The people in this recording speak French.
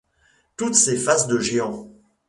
Toutes ces faces de géants